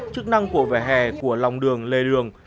chức năng của vỉa hè của lòng đường lề đường